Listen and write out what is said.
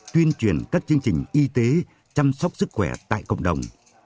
tuyên truyền các chương trình y tế chăm sóc sức khỏe tại cộng đồng